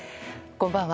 こんばんは。